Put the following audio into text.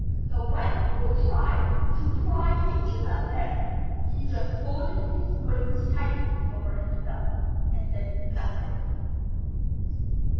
So when people tried to pry into the affair, he just folded his wings tightly over himself and said nothing.